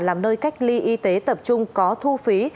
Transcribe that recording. làm nơi cách ly y tế tập trung có thu phí